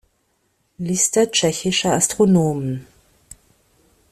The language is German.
Liste tschechischer Astronomen